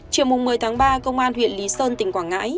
chiều một mươi tháng ba công an huyện lý sơn tỉnh quảng ngãi